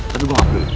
tapi gue enggak peduli